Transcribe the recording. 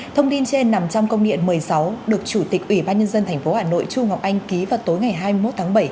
thông tin trên nằm trong công điện một mươi sáu được chủ tịch ủy ban nhân dân tp hà nội chu ngọc anh ký vào tối ngày hai mươi một tháng bảy